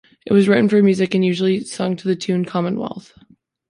It was written for music and usually sung to the tune "Commonwealth".